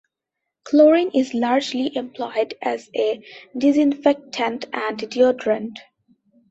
Chlorine is largely employed as a disinfectant and deodorant.